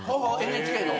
ＮＨＫの？